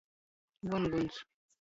Vonguns.